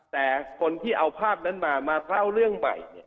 แต่คนที่เอาภาพนั้นมามาเล่าเรื่องใหม่